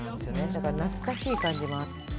だから懐かしい感じもあって。